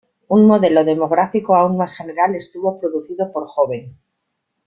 Un modelo demográfico aún más general estuvo producido por Joven.